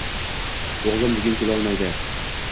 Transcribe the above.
O`g`lim bugun kelolmaydi